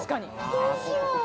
どうしよう？